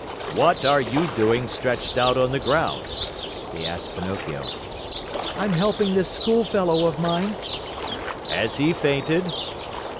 "What are you doing stretched out on the ground?" they asked Pinocchio. "I'm helping this schoolfellow of mine." "Has he fainted?"